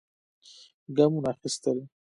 ګامونه اخېستل.